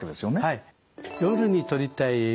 はい。